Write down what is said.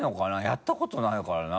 やったことないからな。